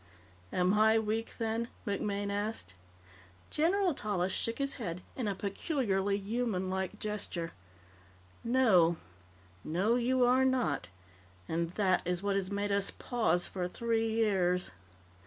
"Am I weak, then?" MacMaine asked. General Tallis shook his head in a peculiarly humanlike gesture. "No. No, you are not. And that is what has made us pause for three years."